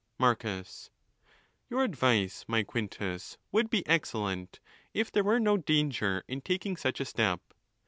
Marcus.—Your advice, my Quintus, would be excellent if there were no danger in taking stich a step.